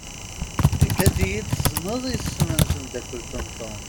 Ikad-iyi-d tessneḍ isem n temdakelt n Tom.